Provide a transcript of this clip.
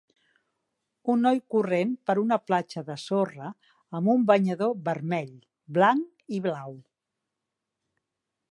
Un noi corrent per una platja de sorra amb un banyador vermell, blanc i blau.